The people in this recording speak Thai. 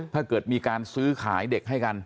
ถ้าเกิดมีการซื้อขายเด็กให้กัน